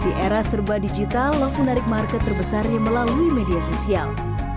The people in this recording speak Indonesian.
di era serba digital love menarik market terbesarnya melalui media sosial